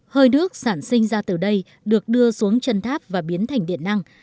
hơi nước sản sinh ra từ đây được đưa xuống chân tháp và biến thành điện năng